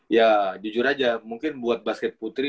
ya jujur aja mungkin buat basket putri